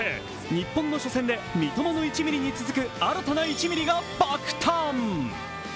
日本の初戦で三笘の１ミリに続く新たな１ミリが爆誕。